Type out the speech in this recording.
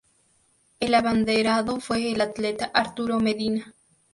El abanderado fue el atleta Arturo Medina.